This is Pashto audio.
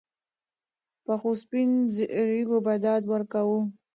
پخوسپین ږیرو به ډاډ ورکاوه.